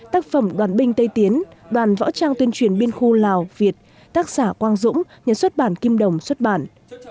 tác phẩm đoàn binh tây tiến đoàn võ trang tuyên truyền biên khu lào việt tác giả quang dũng nhà xuất bản kim đồng xuất bản